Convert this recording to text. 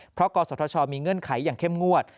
เพราะกศธชมีเงื่อนไขอย่างเข้มงวด